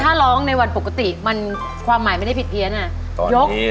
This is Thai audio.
ถ้าร้องในวันปกติความหมายไม่ได้ผิดเพียสไอ้